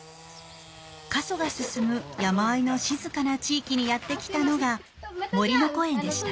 過疎が進む山あいの静かな地域にやって来たのがもりのこえんでした。